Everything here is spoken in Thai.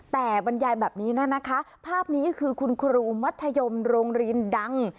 แต่บรรยายแบบนี้นะคะภาพนี้คือคุณครูมัธยมโรงเรียนดัง